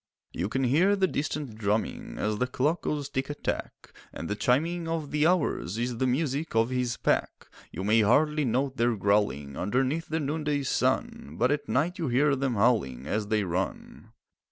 You can hear the distant drumming As the clock goes tick a tack, And the chiming of the hours Is the music of his pack. You may hardly note their growling Underneath the noonday sun, But at night you hear them howling As they run.